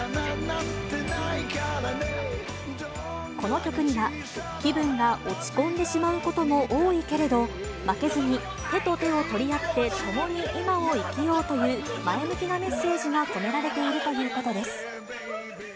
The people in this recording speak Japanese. この曲には、気分が落ち込んでしまうことも多いけれど、負けずに手と手を取り合って、共に今を生きようという、前向きなメッセージが込められているということです。